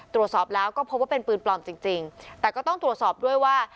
ตรวจสอบแล้วก็พบว่าเป็นปืนปลอมจริงจริงแต่ก็ต้องตรวจสอบด้วยว่า